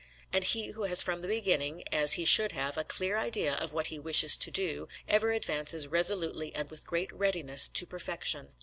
And he who has from the beginning, as he should have, a clear idea of what he wishes to do, ever advances resolutely and with great readiness to perfection.